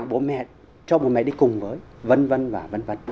bố mẹ cho bố mẹ đi cùng với vân vân và vân vân